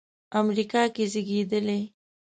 امریکا کې زېږېدلی.